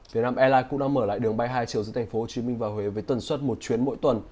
việt nam airline cũng đang mở lại đường bay hai chiều giữa thành phố hồ chí minh và huế với tần suốt một chuyến mỗi tuần